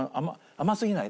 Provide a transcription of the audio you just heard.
甘すぎない。